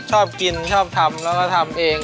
ชอบกินชอบทำแล้วก็ทำเอง